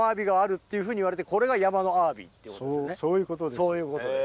そういうことです。